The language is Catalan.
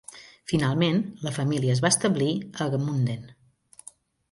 Finalment, la família es va establir a Gmunden.